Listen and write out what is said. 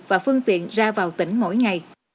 và phương tiện ra vào tỉnh mỗi ngày